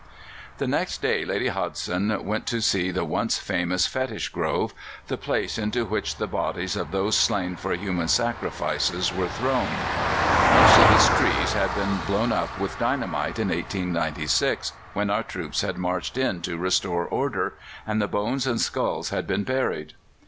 The next day Lady Hodgson went to see the once famous Fetish Grove the place into which the bodies of those slain for human sacrifices were thrown. Most of its trees had been blown up with dynamite in 1896, when our troops had marched in to restore order, and the bones and skulls had been buried.